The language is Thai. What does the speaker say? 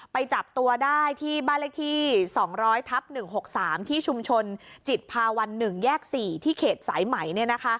ไปจับตัวได้ที่บ้านเลขที่๒๐๐ทับ๑๖๓ที่ชุมชนจิตภาวัน๑แยก๔ที่เขตสายไหม